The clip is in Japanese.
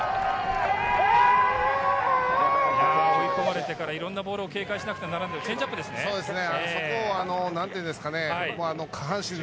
追い込まれてから、いろんなボールを警戒するなか、チェンジアップですね。